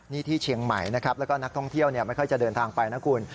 นี่ที่เชียงใหม่นะครับแล้วก็นักท่องเที่ยวไม่ค่อยจะเดินทางไปนะคุณ